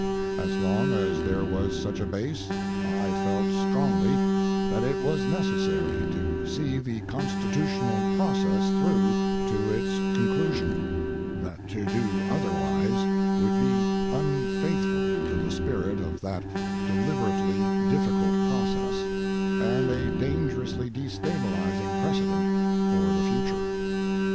As long as there was such a base, I felt strongly that it was necessary to see the constitutional process through to its conclusion, that to do otherwise would be unfaithful to the spirit of that deliberately difficult process and a dangerously destabilizing precedent for the future.